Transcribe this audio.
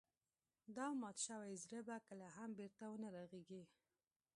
دا مات شوی زړه به کله هم بېرته ونه رغيږي.